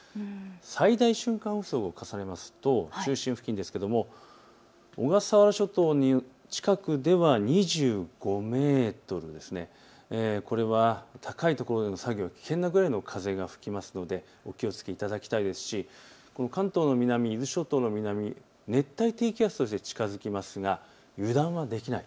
最大瞬間予想を重ねますと小笠原諸島に近くでは２５メートル、これは高いところの作業が危険なくらいの風が吹くのでお気をつけいただきたいですし関東の南、伊豆諸島の南、熱帯低気圧として近づきますが油断はできない。